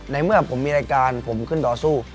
ในเมื่อผมมีรายการผมขึ้นต่อสู้